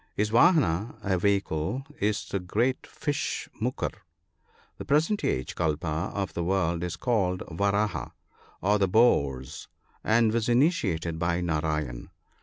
His vdhana, a vehicle, is the great fish mukur. The present age (kalpa) of the world is called Varaha, or the boar's, and was initiated by Narayen.